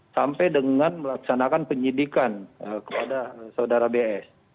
sampai dengan melaksanakan penyidikan kepada saudara bs